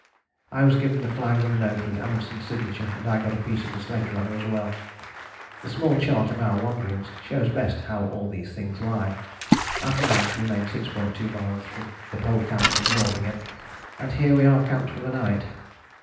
I was given the flag and the note with Amundsen's signature, and I got a piece of the sledge runner as well. The small chart of our wanderings shows best how all these things lie. After lunch we made 6.2 miles from the Pole Camp to the north again, and here we are camped for the night."